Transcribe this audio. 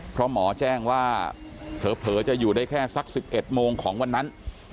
เพราะหมอแจ้งว่าเผลอจะอยู่ได้แค่สัก๑๑โมงของวันนั้น